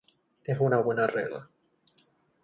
Es una buena regla.